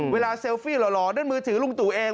เซลฟี่หล่อด้วยมือถือลุงตู่เอง